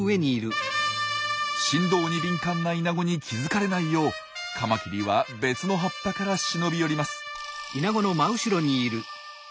振動に敏感なイナゴに気付かれないようカマキリは別の葉っぱから忍び寄ります。